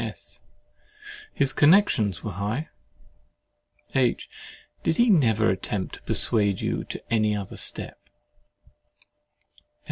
S. His connections were high. H. And did he never attempt to persuade you to any other step?